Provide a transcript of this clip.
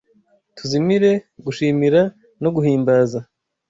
Tuzimire gushimira no guhimbaza